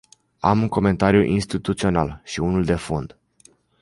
Am un comentariu instituțional și unul de fond.